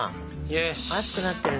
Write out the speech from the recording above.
熱くなってる。